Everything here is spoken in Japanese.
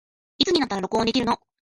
いつになったら録音できるの